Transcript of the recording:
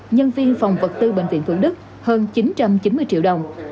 nhân viên phòng vật tư bệnh viện thủ đức hơn chín trăm chín mươi triệu đồng